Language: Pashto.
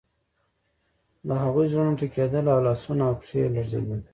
د هغوی زړونه ټکیدل او لاسونه او پښې یې لړزیدې